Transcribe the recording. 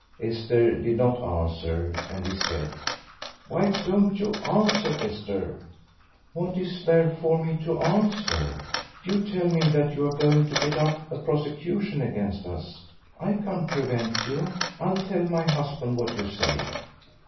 Esther did not answer, and he said, "Why don't you answer, Esther?" "What is there for me to answer? You tell me that you are going to get up a prosecution against us. I can't prevent you. I'll tell my husband what you say."